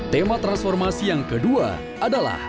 tema transformasi yang kedua adalah